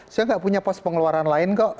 saya gak punya post pengeluaran lain kok